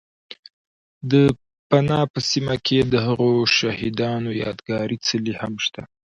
، د پنه په سیمه کې دهغو شهید انو یاد گاري څلی هم شته